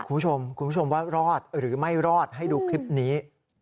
คุณผู้ชมคุณผู้ชมว่ารอดหรือไม่รอดให้ดูคลิปนี้